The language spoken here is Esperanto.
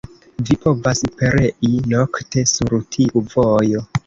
Vi povas perei nokte sur tiu vojo!